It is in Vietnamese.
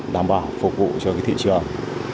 đảm bảo phục vụ cho thị trường